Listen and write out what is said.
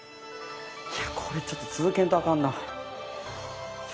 いやこれちょっと続けんとあかんな。